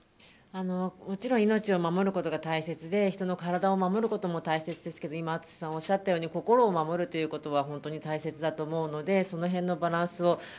もちろん命を守ることが大切で、人の体を守るのも大切ですが今、淳さんがおっしゃったように心を守るということは本当に大切だと思うのでその辺のバランスを。